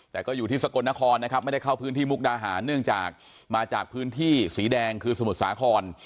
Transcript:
แต่ก็อยู่ที่สกลนครนะครับไม่ได้เข้าพื้นที่มุกดาหารเนื่องจากมาจากพื้นที่สีแดงคือสมุทรสาคร